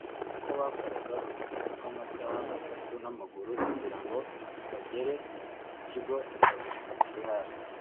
kuko bakoraga urugendo rw’amasaha atatu n’amaguru kugira ngo bagere ku kigo nderabuzima kiri hafi